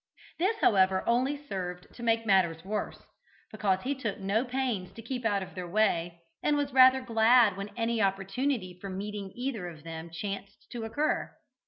This, however, only served to make matters worse, because he took no pains to keep out of their way, and was rather glad when any opportunity for meeting either of them chanced to occur.